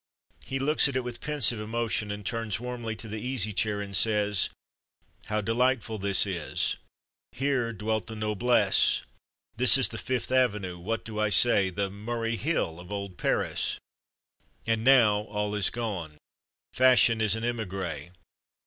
He looks at it with pensive emotion, and turns warmly to the Easy Chair and says: "How delightful this is! Here dwelt the noblesse! This is the Fifth Avenue what do I say? the Murray Hill of old Paris! And now all is gone! Fashion is an emigré.